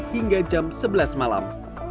hingga jam sebelas malam